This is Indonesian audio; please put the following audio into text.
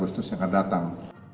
agustus yang akan datang